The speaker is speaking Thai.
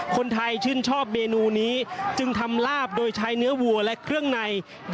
คนไทยชื่นชอบเมนูนี้จึงทำลาบโดยใช้เนื้อวัวและเครื่องใน